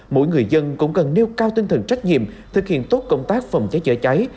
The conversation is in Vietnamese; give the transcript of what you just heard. mỗi người dân cũng cần nêu cao tinh thần trách nhiệm thực hiện tốt công tác phòng cháy chữa cháy